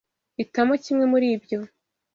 Hitamo kimwe muri ibyo.